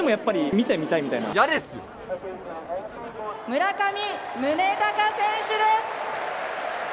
村上宗隆選手です！